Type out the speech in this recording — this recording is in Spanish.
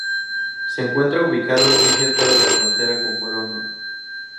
Se encuentra ubicado muy cerca de la frontera con Polonia.